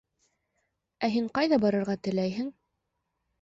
Ә һин ҡайҙа барырға теләйһең?